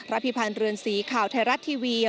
พิพันธ์เรือนสีข่าวไทยรัฐทีวี